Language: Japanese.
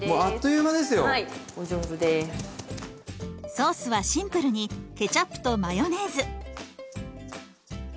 ソースはシンプルにケチャップとマヨネーズ。